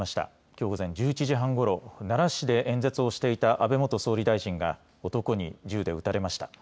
きょう午前１１時半ごろ奈良市で演説をしていた安倍元総理大臣が男に銃で撃たれました。